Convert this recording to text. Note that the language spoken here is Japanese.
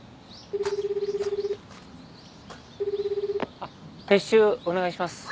あっ撤収お願いします。